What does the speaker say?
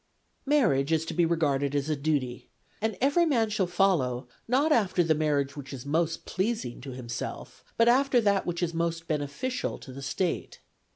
Marriage is to be regarded as a duty, and ' every man shall follow, not after the marriage which is most pleasing to himself, but after that which is most beneficial to the State.